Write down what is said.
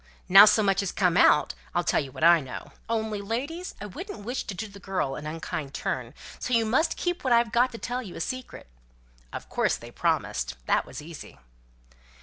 Now so much has come out, I'll tell you what I know. Only, ladies, I wouldn't wish to do the girl an unkind turn, so you must keep what I've got to tell you a secret." Of course they promised; that was easy.